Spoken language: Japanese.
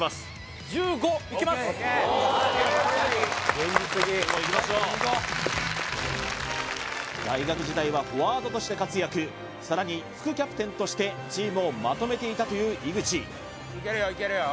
現実的・いきましょう大学時代はフォワードとして活躍さらに副キャプテンとしてチームをまとめていたという井口いけるよいけるよ